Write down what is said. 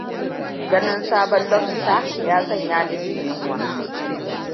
Ganin sabon lobster ya sanya ni jin yunwa.